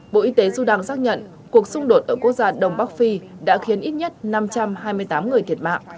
bộ y tế sudan xác nhận cuộc xung đột ở quốc gia đông bắc phi đã khiến ít nhất năm trăm hai mươi tám người thiệt mạng